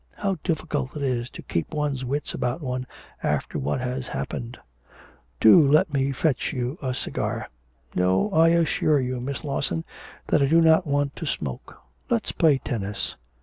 How difficult it is to keep one's wits about one after what has happened.' 'Do let me fetch you a cigar.' 'No, I assure you, Miss Lawson, that I do not want to smoke. Let's play tennis.'